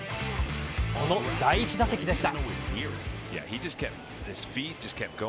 その第１打席でした。